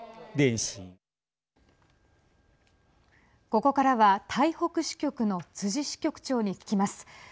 ここからは台北市局の逵支局長に聞きます。